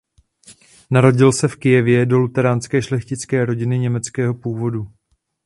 Narodil se v Kyjevě do luteránské šlechtické rodiny německého původu.